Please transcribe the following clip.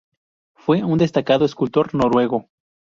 Fue un destacado escultor noruego.